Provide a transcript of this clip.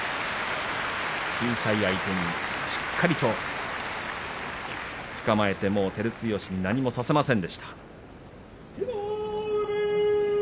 小さい相手に、しっかりとつかまえて照強に何もさせませんでした。